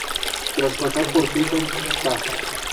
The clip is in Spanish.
Tras pasar por Suiza, ca.